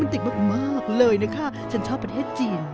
ม่วงทิกบอกมากเลยนะคะฉันชอบประเทศจีน